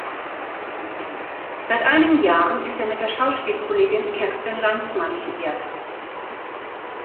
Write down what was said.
Seit einigen Jahren ist er mit der Schauspielkollegin Kerstin Landsmann liiert.